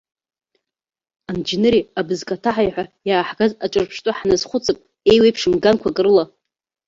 Анџьныри абызкаҭаҳаи ҳәа иааҳгаз аҿырԥштәы ҳназхәыцып еиуеиԥшым ганқәак рыла.